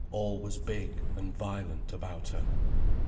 All was big and violent about her.